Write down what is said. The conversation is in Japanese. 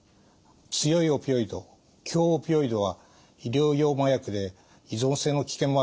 強いオピオイド強オピオイドは医療用麻薬で依存性の危険もあるんです。